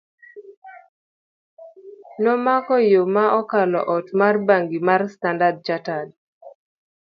nomako yo ma okalo ot mar bangi mar Standard Chartered